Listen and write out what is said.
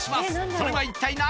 それは一体何？